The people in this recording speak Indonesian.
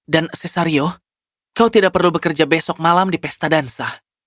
dan cesario kau tidak perlu bekerja besok malam di pesta dansa